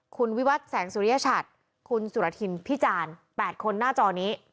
คุณวิวัตรแสงสุริยชัดคุณสุรทินพิจารณ์๘คนหน้าจอนี้